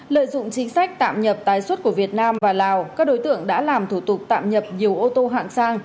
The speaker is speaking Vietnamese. lợi dụng chính sách tạm nhập tái xuất của việt nam và lào các đối tượng đã làm thủ tục tạm nhập nhiều ô tô hạng sang